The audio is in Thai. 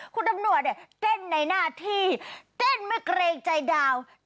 คุณตำรวจเนี่ยเต้นในหน้าที่เต้นไม่เกรงใจดาว